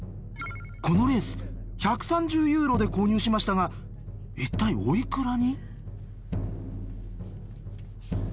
このレース１３０ユーロで購入しましたが一体おいくらに？